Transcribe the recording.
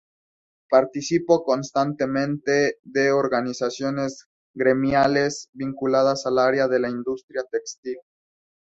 Participó constantemente de organizaciones gremiales, vinculadas al área de la industria textil.